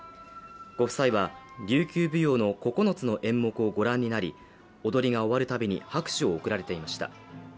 ご夫妻は、琉球舞踊の９つの演目をご覧になり踊りが終わるたびに拍手を送られていました。